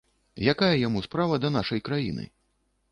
Якая яму справа да нашай краіны?